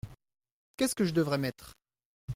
Qu’est-ce que je devrais mettre ?